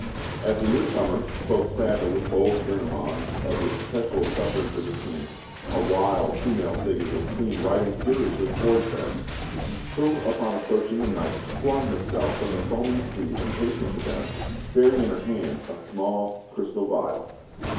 As the newcomers spoke sadly with old Gurnemanz of the perpetual sufferings of the King, a wild female figure was seen riding furiously towards them; who, upon approaching the knights, flung herself from the foaming steed and hastened to them, bearing in her hand a small crystal vial.